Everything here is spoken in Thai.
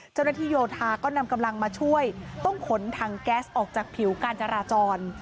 โยธาก็นำกำลังมาช่วยต้องขนถังแก๊สออกจากผิวการจราจร